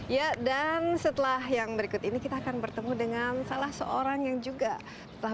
ya dan setelah yang berikut ini kita akan bertemu dengan salah seorang yang juga telah